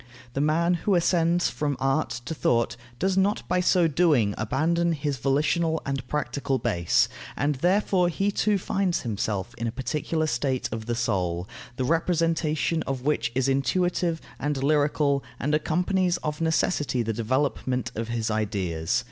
The man who ascends from art to thought does not by so doing abandon his volitional and practical base, and therefore he too finds himself in a particular state of the soul, the representation of which is intuitive and lyrical, and accompanies of necessity the development of his ideas.